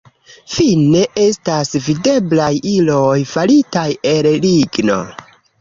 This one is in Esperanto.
Fine estas videblaj iloj faritaj el ligno.